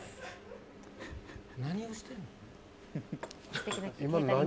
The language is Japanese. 何をしてんの？